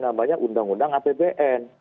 namanya undang undang apbn